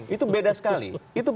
itu beda sekali